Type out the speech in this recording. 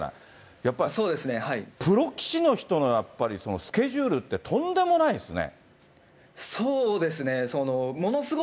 やっぱりプロ棋士の人の、スケジュールって、とんでもないですね。